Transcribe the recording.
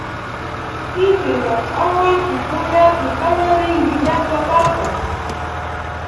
kikinka awaki pullapi kallarinki llankakapak